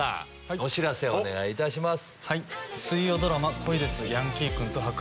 お知らせをお願いいたします。